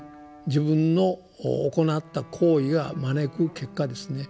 自分の行った行為が招く結果ですね。